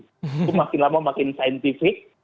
itu makin lama makin saintifik